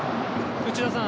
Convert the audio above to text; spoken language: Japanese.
内田さん